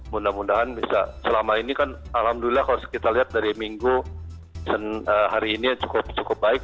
mudah mudahan bisa selama ini kan alhamdulillah kalau kita lihat dari minggu hari ini cukup baik